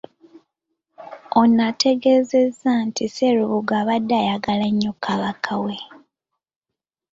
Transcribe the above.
Ono ategeezezza nti Sserubogo abadde ayagala nnyo Kabaka we.